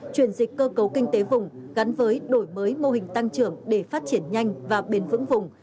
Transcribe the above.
chuyển dịch cơ cấu kinh tế vùng gắn với đổi mới mô hình tăng trưởng để phát triển nhanh và bền vững vùng